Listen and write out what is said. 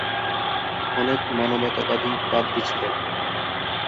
অনেক মানবতাবাদী পাদ্রী ছিলেন।